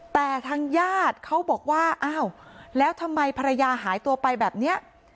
แต่ทางญาติเขาบอกว่าอ้าวแล้วทำไมภรรยาหายตัวไปแบบนี้